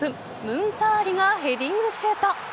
ムンターリがヘディングシュート。